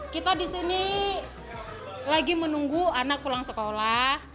kita disini lagi menunggu anak pulang sekolah